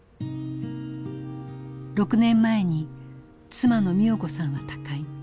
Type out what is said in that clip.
６年前に妻の美代子さんは他界。